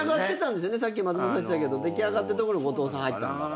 さっき松本さん言ってたけど出来上がったとこに後藤さん入った。